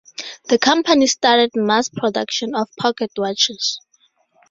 The company started mass production of pocket watches.